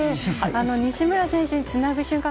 西村選手につなぐ瞬間